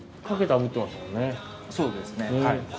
そうですねはい。